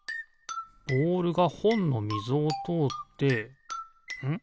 ボールがほんのみぞをとおってんっ？